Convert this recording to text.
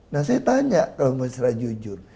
nah saya tanya kalau mesra jujur